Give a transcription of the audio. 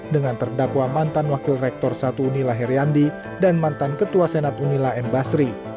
dengan terdakwa mantan wakil rektor satu unila heriandi dan mantan ketua senat unila m basri